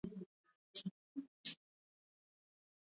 Dalili ya ndigana kali ni mfugo kutokwa majimaji machoni